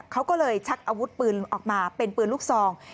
เขาก็เลยชักอาวุธปืนออกมาเป็นปืนลูกซอง